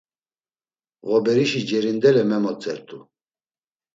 Ğoberişi cerindele memotzert̆u.